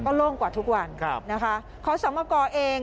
ก็โล่งกว่าทุกวันขอสมัครเอง